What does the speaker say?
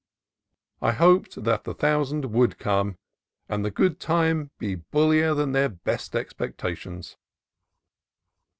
I hoped that the thousand would come and the good time be bul lier than their best expectations.